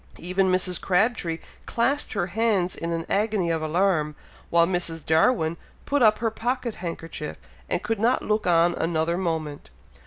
Even Mrs. Crabtree clasped her hands in an agony of alarm, while Mrs. Darwin put up her pocket handkerchief, and could not look on another moment.